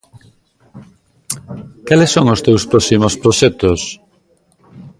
Cales son os teus próximos proxectos?